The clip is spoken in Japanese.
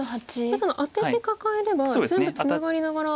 アテてカカえれば全部ツナがりながら。